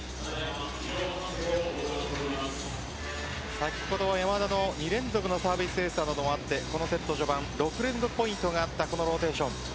先ほどは山田の２連続のサービスエースなどもあってこの序盤６連続ポイントがあったこのローテーション。